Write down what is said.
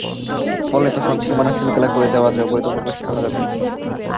ফলে তখন সীমানা সিলগালা করে দেওয়া যাবে, অবৈধ অনুপ্রবেশ ঠেকানো যাবে।